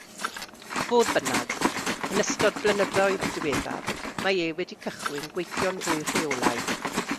Fodd bynnag, yn ystod blynyddoedd diweddar, mae e wedi cychwyn gweithio'n fwy rheolaidd.